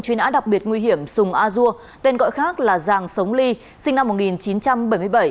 truy nã đặc biệt nguy hiểm sùng a dua tên gọi khác là giàng sống ly sinh năm một nghìn chín trăm bảy mươi bảy